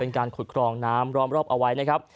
การขุดครองน้ำร้อมรอบเอาไว้นะครับ